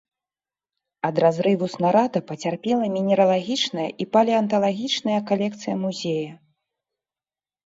Ад разрыву снарада пацярпела мінералагічная і палеанталагічныя калекцыя музея.